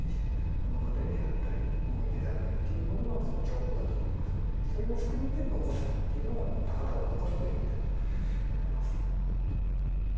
物語であったり思い出であったりというものが情報だと思いますのでそれも含めて残すというのが高田を残すという意味だと思います。